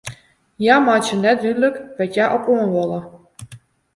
Hja meitsje net dúdlik wêr't hja op oan wolle.